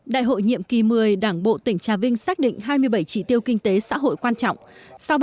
đại hội nhiệm kỳ một mươi đảng bộ tỉnh trà vinh xác định hai mươi bảy chỉ tiêu kinh tế xã hội quan trọng